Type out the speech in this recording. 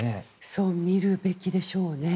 そう見るべきでしょうね。